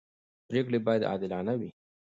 پرېکړې باید عادلانه وي